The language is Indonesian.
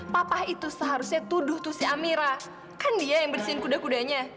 papa itu seharusnya tuduh tusi amira kan dia yang bersihin kuda kudanya